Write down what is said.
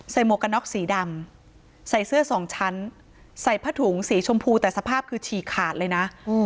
หมวกกันน็อกสีดำใส่เสื้อสองชั้นใส่ผ้าถุงสีชมพูแต่สภาพคือฉีกขาดเลยนะ